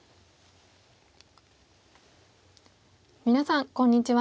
皆さんこんにちは。